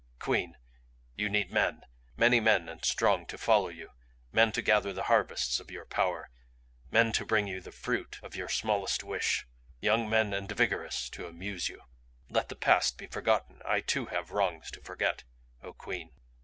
Queen you need men, many men and strong to follow you, men to gather the harvests of your power, men to bring to you the fruit of your smallest wish young men and vigorous to amuse you. "Let the past be forgotten I too have wrongs to forget, O Queen.